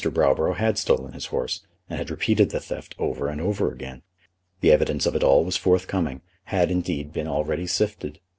Browborough had stolen his horse, and had repeated the theft over and over again. The evidence of it all was forthcoming, had, indeed, been already sifted.